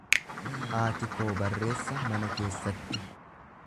Haati koo barreessa mana keessatti.